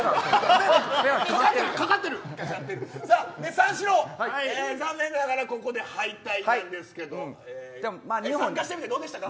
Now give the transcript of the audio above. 三四郎、残念ながらここで敗退なんですけど参加してみてどうでしたか。